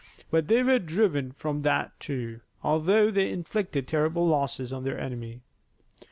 But they were driven from that, too, although they inflicted terrible losses on their enemy.